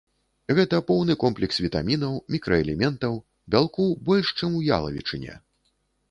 Гэта поўны комплекс вітамінаў, мікраэлементаў, бялку больш, чым у ялавічыне.